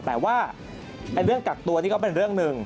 แต่ว่าเรื่องกักตัวนี่ก็เป็นเรื่องหนึ่ง